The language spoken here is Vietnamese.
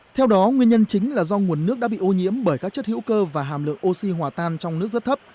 theo đó nguyên nhân chính là do nguồn nước đã bị ô nhiễm bởi các chất hữu cơ và hàm lượng oxy hòa tan trong nước rất thấp